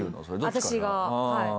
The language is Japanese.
私がはい。